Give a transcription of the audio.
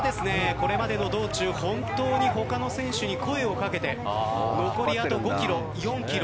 これまでの道中本当に他の選手に声を掛けて残りあと５キロ、４キロ